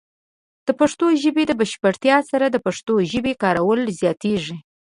د پښتو ژبې د بشپړتیا سره، د پښتو ژبې کارول زیاتېږي.